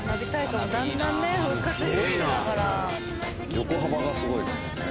横幅がすごい。